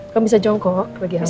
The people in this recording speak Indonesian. kamu bisa jongkok bagi hamil